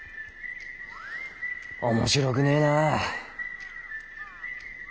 面白くねぇなぁ。